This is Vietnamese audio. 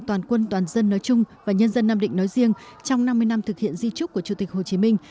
toàn quân toàn dân nói chung và nhân dân nam định nói riêng trong năm mươi năm thực hiện di trúc của chủ tịch hồ chí minh